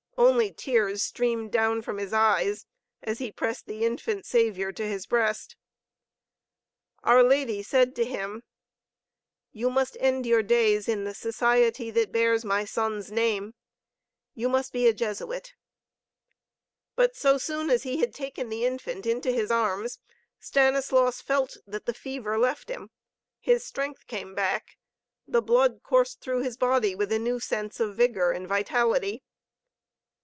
Only tears streamed down from his eyes as he pressed the Infant Savior to his breast. Our Lady said to him: "You must end your days in the Society that bears my Son's name. You must be a Jesuit." But so soon as he had taken the Infant into his arms, Stanislaus felt that the fever left him, his strength came back, the blood coursed through his body with a new sense of vigor and vitality.